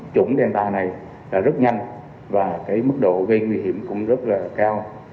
chủng delta này là rất nhanh và cái mức độ gây nguy hiểm cũng rất là cao